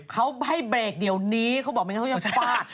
เค้าให้เบรกเดี๋ยวนี้เค้าบอกไม่งั้นเค้ายังปล้าด